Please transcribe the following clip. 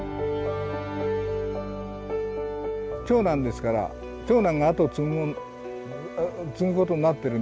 長男ですから長男が跡を継ぐことになってるんですよ